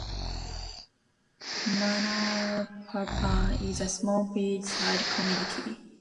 Manalapan is a small beach side community.